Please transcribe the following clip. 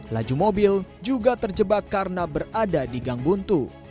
laju mobil juga terjebak karena berada di gangbuntu